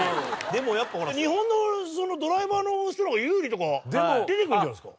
でも、やっぱり日本のドライバーの人のほうが有利とか出てくるんじゃないですか。